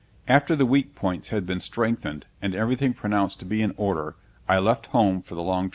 After the weak points had been strengthened and everything pronounced to be in order, I left home for the long trip.